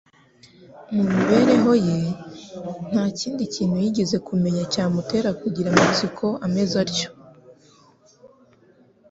Mu mibereho ye nta kindi kintu yigeze kumenya cyamutera kugira amatsiko ameze atyo.